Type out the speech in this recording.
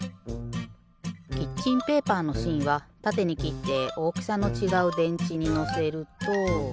キッチンペーパーのしんはたてにきっておおきさのちがうでんちにのせると。